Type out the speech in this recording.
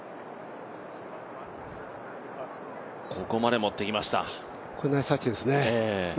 ここまで持ってきました。